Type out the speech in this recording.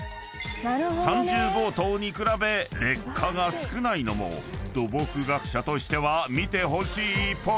［３０号棟に比べ劣化が少ないのも土木学者としては見てほしいポイント］